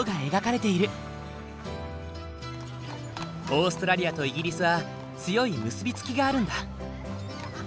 オーストラリアとイギリスは強い結びつきがあるんだ。